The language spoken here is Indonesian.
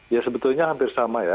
ya sebetulnya hampir sama ya